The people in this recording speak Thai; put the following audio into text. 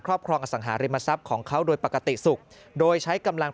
ครองอสังหาริมทรัพย์ของเขาโดยปกติสุขโดยใช้กำลัง